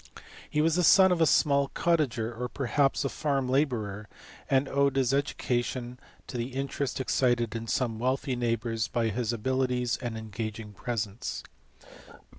He was the son of a small cottager or perhaps a farm labourer, and owed his education to the interest excited in some wealthy neighbours by his abilities and engaging presence.